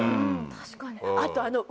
確かに。